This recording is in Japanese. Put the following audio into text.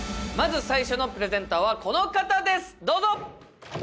まず最初のプレゼンターは、この方です。